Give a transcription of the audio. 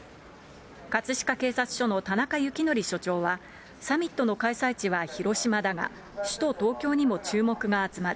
葛飾警察署の田中幸則署長はサミットの開催地は広島だが、首都東京にも注目が集まる。